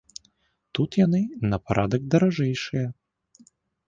Тут яны на парадак даражэйшыя.